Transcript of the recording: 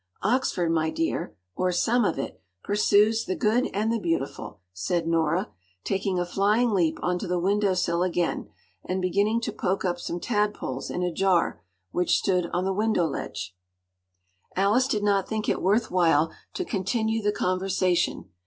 Oxford, my dear—or some of it—pursues ‘the good and the beautiful’”—said Nora, taking a flying leap on to the window sill again, and beginning to poke up some tadpoles in a jar, which stood on the window ledge. Alice did not think it worth while to continue the conversation.